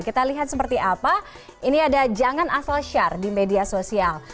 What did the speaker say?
kita lihat seperti apa ini ada jangan asal share di media sosial